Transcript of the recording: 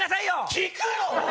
聞くの？